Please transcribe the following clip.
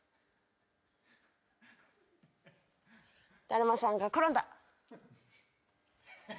だるまさんが転んだ。